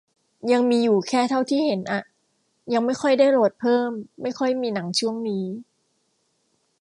ยังมีอยู่แค่เท่าที่เห็นอะ ยังไม่ค่อยได้โหลดเพิ่ม ไม่ค่อยมีหนังช่วงนี้